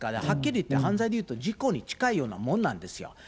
はっきりいって、犯罪でいうと事故に近いものなんですよ。